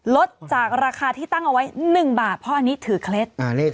ลดจากราคาที่ตั้งเอาไว้๑บาทเพราะอันนี้ถือเคล็ด